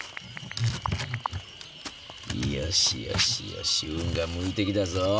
よしよしよし運が向いてきたぞ。